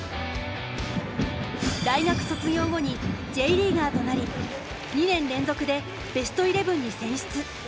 大学卒業後にＪリーガーとなり２年連続でベストイレブンに選出。